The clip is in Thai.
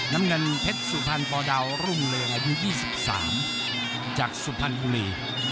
น้ำเงินเพชรสุภัณฑ์ปดาวรุ่งเลอายุ๒๓จากสุภัณฑ์ภูรี